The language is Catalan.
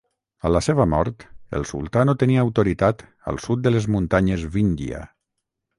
A la seva mort el sultà no tenia autoritat al sud de les muntanyes Vindhya.